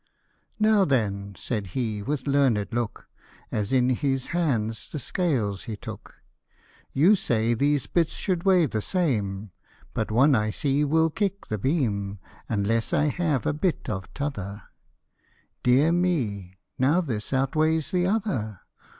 .v/uifltfw " Now then," said he, with learned look, As in his hands the scales he took ;" You say these bits should weigh the same ; But one I see will kick the Beam Unless I have a bit of t'other : Dear me ! now this outweighs the other.